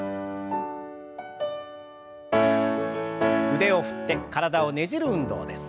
腕を振って体をねじる運動です。